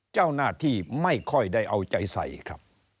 เจ้าหน้าที่ไม่ค่อยได้เอาใจใส่ครับ